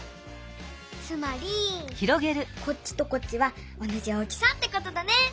つまりこっちとこっちはおなじ大きさってことだね！